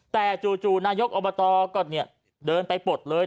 แต่จู่นายกอบตก็เดินไปปลดเลย